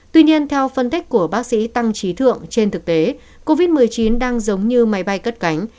tuy nhiên theo phân tích của bác sĩ tăng trí thượng trên thực tế covid một mươi chín đang giống như máy bay cất cánh